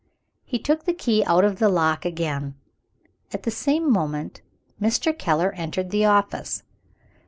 He took the key out of the lock again. At the same moment, Mr. Keller entered the office.